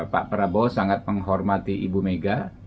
pak prabowo sangat menghormati ibu mega